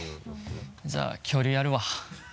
じゃあ恐竜やるわ。